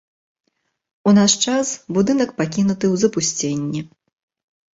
У наш час будынак пакінуты ў запусценні.